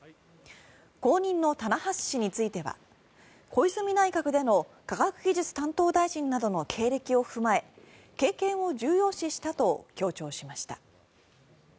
後任の棚橋氏については小泉内閣での科学技術担当大臣などの経歴を踏まえ経験を重要視したと強調しました。